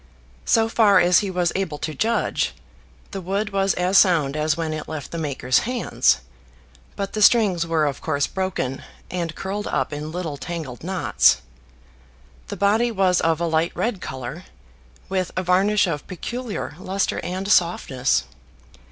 So far as he was able to judge, the wood was as sound as when it left the maker's hands; but the strings were of course broken, and curled up in little tangled knots. The body was of a light red colour, with a varnish of peculiar lustre and softness.